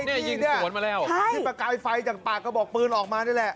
นี่ไอ้ที่นี่ที่ประกายไฟจากปากก็บอกปืนออกมานี่แหละ